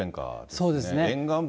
そうですね。